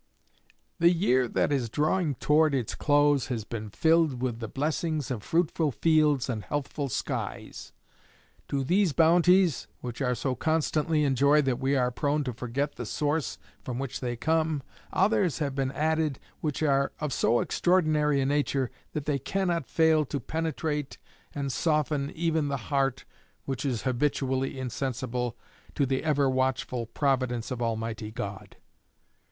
The year that is drawing toward its close has been filled with the blessings of fruitful fields and healthful skies. To these bounties, which are so constantly enjoyed that we are prone to forget the source from which they come, others have been added which are of so extraordinary a nature that they cannot fail to penetrate and soften even the heart which is habitually insensible to the ever watchful providence of Almighty God.